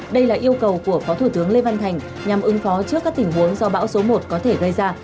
đây là yêu cầu của phó thủ tướng lê văn thành nhằm ứng phó trước các tình huống do bão số một có thể gây ra